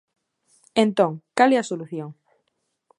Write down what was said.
Entón, ¿cal é a solución?